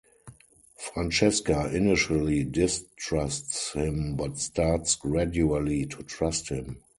Francesca initially distrusts him but starts gradually to trust him.